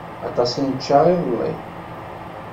Aṭas i nečča iḍelli.